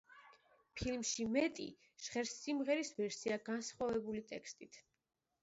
ფილმში „მეტი“ ჟღერს სიმღერის ვერსია განსხვავებული ტექსტით.